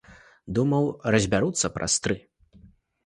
Думаў, разбяруцца праз тры.